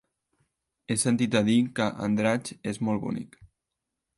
He sentit a dir que Andratx és molt bonic.